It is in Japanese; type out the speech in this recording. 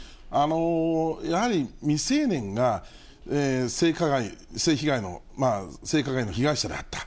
やはり未成年が性加害の被害者であった。